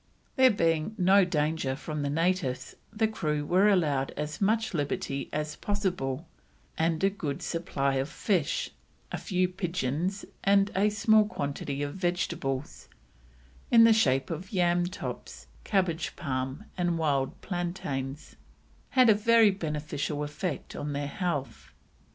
There being no danger from the natives the crew were allowed as much liberty as possible, and a good supply of fish, a few pigeons and a small quantity of vegetables, in the shape of yam tops, cabbage palm, and wild plantains, had a very beneficial effect on their health.